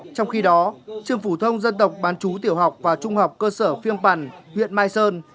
trong khi đó trường phủ thông dân tộc bán chú tiểu học và trung học cơ sở phiêng pàn huyện mai sơn